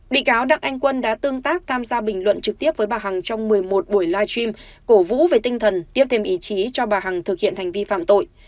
bị cáo đặng anh quân đã tương tác tham gia bình luận trực tiếp với bà hằng trong một mươi một buổi live stream cổ vũ về tinh thần tiếp thêm ý chí cho bà hằng thực hiện hành vi phạm tội